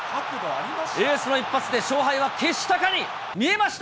エースの一発で勝敗は決したかに見えました。